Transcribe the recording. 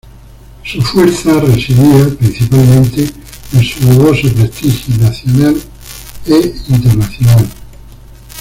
Su fuerza residía, principalmente, en su dudoso prestigio nacional e internacional.